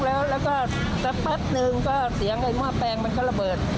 แล้วก็สักแป๊บนึงก็เสียงไอ้หม้อแปลงมันก็ระเบิด